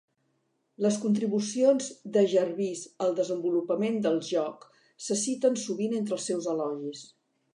Les contribucions de Jarvis al desenvolupament del joc se citen sovint entre els seus elogis.